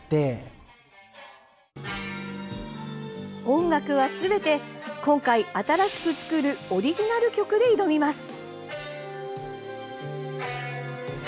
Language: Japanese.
音楽はすべて今回新しく作るオリジナル曲で挑みます。